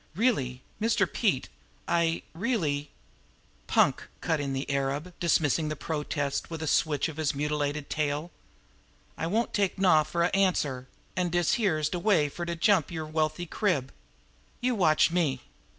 "Really, Mr. Pete, I really " "Punk!" cut in the arab, dismissing the protest with a switch of his mutilated tail. "I won't take 'naw' fer a answer; an' dis here's de way fer to jump yer wealthy crib. You watch me!"